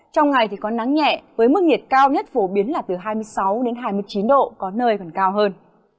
trong ngày thì có nắng nhẹ với mức nhiệt cao nhất phổ biến là từ hai mươi sáu đến hai mươi chín độ có nơi còn cao hơn